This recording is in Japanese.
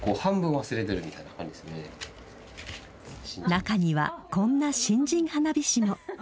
中には、こんな新人花火師も。